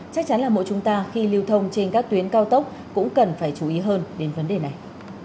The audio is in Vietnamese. chắc chắn là mỗi chúng ta khi lưu thông trên các tuyến cao tốc cũng cần phải chú ý hơn đến vấn đề này